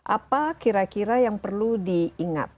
apa kira kira yang perlu diingat